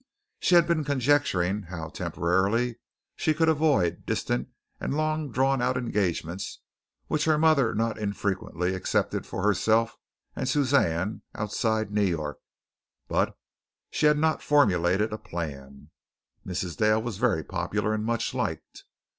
She had been conjecturing how, temporarily, she could avoid distant and long drawn out engagements which her mother not infrequently accepted for herself and Suzanne outside New York, but she had not formulated a plan. Mrs. Dale was very popular and much liked.